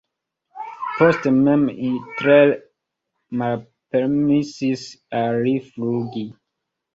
Poste mem Hitler malpermesis al li flugi.